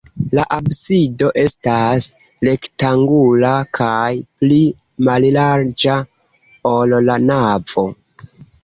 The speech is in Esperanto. La absido estas rektangula kaj pli mallarĝa, ol la navo.